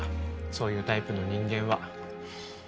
そういうタイプの人間は。